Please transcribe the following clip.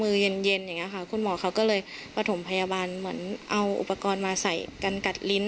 เย็นเย็นอย่างนี้ค่ะคุณหมอเขาก็เลยประถมพยาบาลเหมือนเอาอุปกรณ์มาใส่กันกัดลิ้น